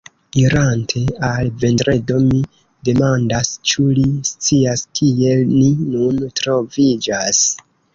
Irante al Vendredo, mi demandas, ĉu li scias, kie ni nun troviĝas.